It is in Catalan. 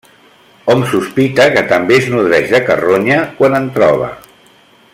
Hom sospita que també es nodreix de carronya, quan en troba.